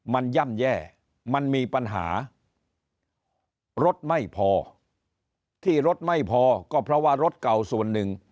มันย่ำแย่มันมีปัญหารถไม่พอที่รถไม่พอก็เพราะว่ารถเก่าส่วนหนึ่ง